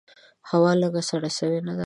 هوا لږ سړه سوي نده؟